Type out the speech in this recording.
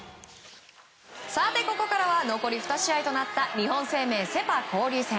ここからは残り２試合となった日本生命セ・パ交流戦。